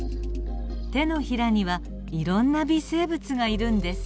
手のひらにはいろんな微生物がいるんです。